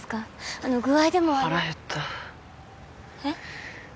あの具合でも悪腹減ったえっ？